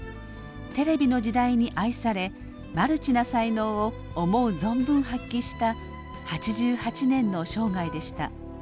テレビの時代に愛されマルチな才能を思う存分発揮した８８年の生涯でした。